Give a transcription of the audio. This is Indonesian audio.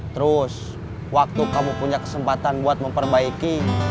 terus waktu kamu punya kesempatan buat memperbaiki